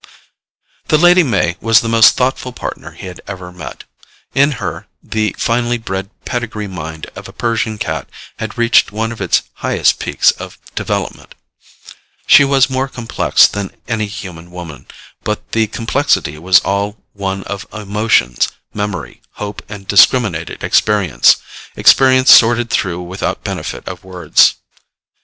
The Lady May was the most thoughtful Partner he had ever met. In her, the finely bred pedigree mind of a Persian cat had reached one of its highest peaks of development. She was more complex than any human woman, but the complexity was all one of emotions, memory, hope and discriminated experience experience sorted through without benefit of words.